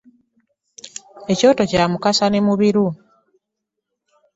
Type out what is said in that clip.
Ekyoto kya Mukasa nemubiru.